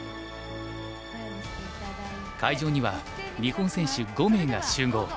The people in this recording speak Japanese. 会場には日本選手５名が集合。